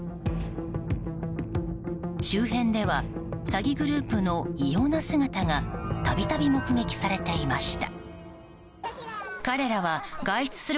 周辺では詐欺グループの異様な姿がたびたび目撃されていました。